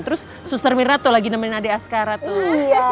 terus suster mira tuh lagi nemenin adik askara tuh